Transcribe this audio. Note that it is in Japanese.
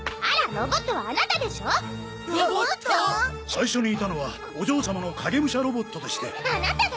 最初にいたのはお嬢様の影武者ロボットでして。